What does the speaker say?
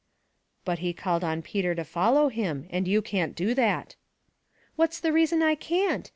" But he called on Peter to follow him, and you can't do that." "What's the reason I can't?